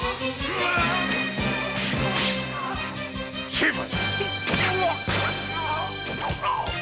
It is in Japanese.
成敗！